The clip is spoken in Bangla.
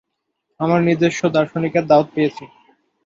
তাদের নিজস্ব দার্শনিকের দাওয়াত পেয়েছি।